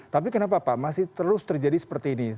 tapi kenapa pak masih terus terjadi seperti ini